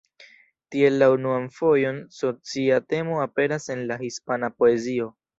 Tiel la unuan fojon socia temo aperas en la hispana poezio.